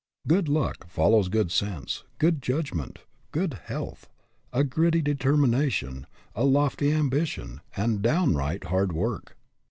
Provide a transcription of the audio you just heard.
" Good luck " follows good sense, good judg ment, good health, a gritty determination, a lofty ambition, and downright hard work.